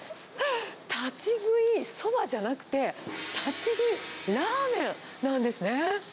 立ち食いそばじゃなくて、立ち食いラーメンなんですね。